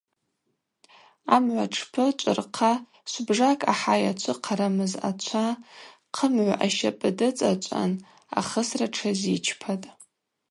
Амгӏватшпы чӏвырхъа швбжакӏ ахӏа йачвыхъарамыз ачва хъымыгӏв ащапӏы дыцӏачӏван ахысра тшазичпатӏ.